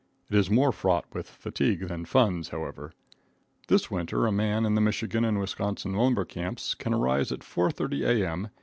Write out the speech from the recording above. It is more fraught with fatigue than funds, however. This winter a man in the Michigan and Wisconsin lumber camps could arise at 4:30 A.M.